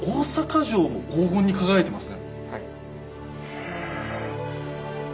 へえ！